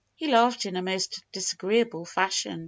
He laughed in a most disagreeable fashion.